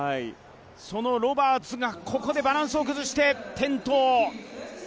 そこでロバーツがここでバランスを崩して転倒。